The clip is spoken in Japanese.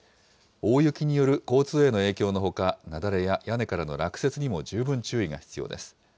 大雪による交通への影響のほか、雪崩や屋根からの落雪にも十分注意が必要です。